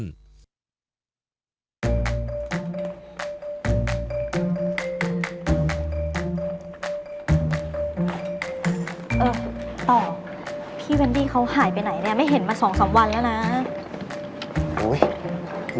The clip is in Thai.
เออต่อพี่เวนดี้เขาหายไปไหนเนี่ยไม่เห็นมาสองสามวันแล้วนะ